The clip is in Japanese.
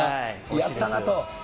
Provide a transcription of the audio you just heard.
やったなと。